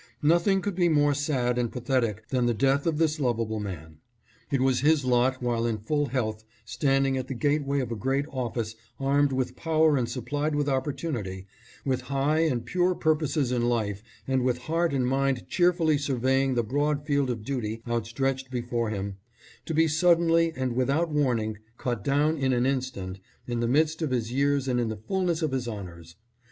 Nothing could be more sad and pathetic than the death of this lovable man. It was his lot while in full health standing at the gateway of a great office armed with power and supplied with oppor tunity, with high and pure purposes in life and with heart and mind cheerfully surveying the broad field of duty outstretched before him, to be suddenly and with out warning cut down in an instant, in the midst of his THE SORROW STRICKEN NATION. 637 years and in the fulness of his honors.